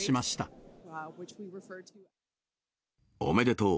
おめでとう！